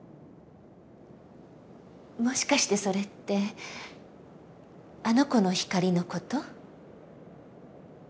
もしかしてそれってあの子の光のこと？